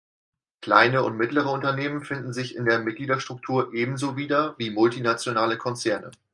Kleine und mittlere Unternehmen finden sich in der Mitgliederstruktur ebenso wieder wie multinationale Konzerne.